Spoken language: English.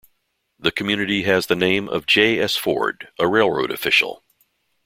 The community has the name of J. S. Ford, a railroad official.